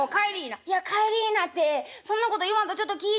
「いや『帰りいな』ってそんなこと言わんとちょっと聞いて。